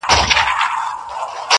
د كار نه دى نور ټوله شاعري ورځيني پاته~